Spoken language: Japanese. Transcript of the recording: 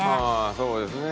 そうですね。